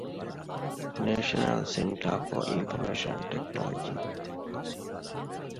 ނޭޝަނަލް ސެންޓަރ ފޮރ އިންފޮމޭޝަން ޓެކްނޯލޮޖީ